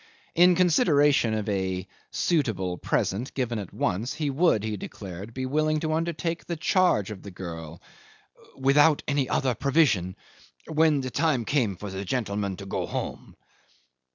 In consideration of a "suitable present" given at once, he would, he declared, be willing to undertake the charge of the girl, "without any other provision when the time came for the gentleman to go home."